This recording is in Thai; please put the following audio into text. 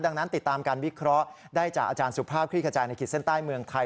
ดังนั้นติดตามการวิเคราะห์ได้จากอาจารย์สุภาพคลี่ขจายในขีดเส้นใต้เมืองไทย